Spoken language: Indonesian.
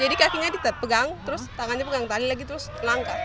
jadi kakinya dipegang terus tangannya pegang tali lagi terus langka